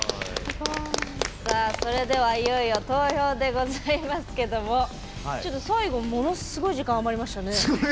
さあそれではいよいよ投票でございますけども最後ものすごい時間余りましたね。